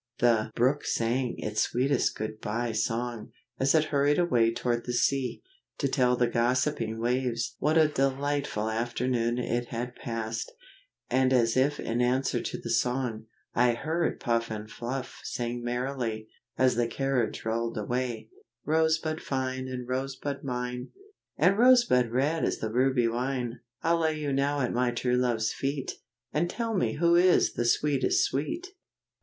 The brook sang its sweetest good bye song, as it hurried away toward the sea, to tell the gossipping waves what a delightful afternoon it had passed; and as if in answer to the song, I heard Puff and Fluff singing merrily, as the carriage rolled away: "Rosebud fine and Rosebud mine, And Rosebud red as the ruby wine, I'll lay you now at my true love's feet, And tell me who is the sweetest sweet!"